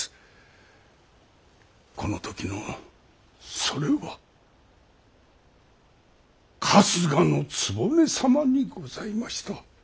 この時のそれは春日局様にございました。